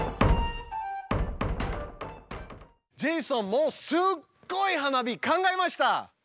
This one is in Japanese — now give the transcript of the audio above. ジェイソンもすっごい花火考えました！